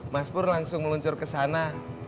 mas pur langsung meluncur ke sana